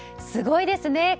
すごいですね。